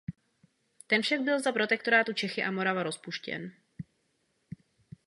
Ten však byl za protektorátu Čechy a Morava rozpuštěn.